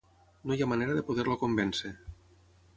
No hi ha manera de poder-lo convèncer.